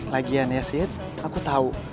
lagian ya sid aku tau